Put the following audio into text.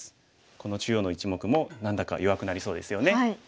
この中央の一目も何だか弱くなりそうですよね。